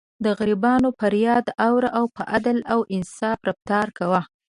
د غریبانو فریاد اوره او په عدل او انصاف رفتار کوه.